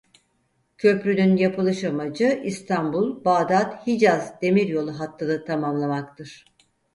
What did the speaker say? Köprünün yapılış amacı İstanbul-Bağdat-Hicaz Demiryolu hattını tamamlamaktır.